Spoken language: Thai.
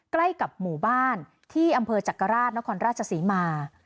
ใกล้กับหมู่บ้านที่อำเภอจักราชนครราชศรีมา